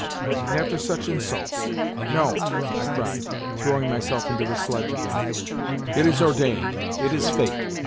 And after such insults !" No !" I cried, throwing myself into 117 the sledge again. " It is ordained ! It is fate